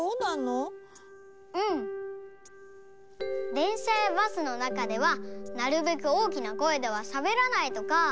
でんしゃやバスのなかではなるべく大きな声ではしゃべらないとか。